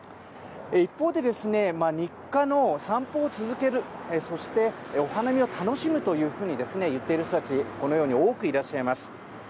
一方で、日課の散歩を続けるそして、お花見を楽しむというふうに言っている人たちこのように多くいらっしゃいます。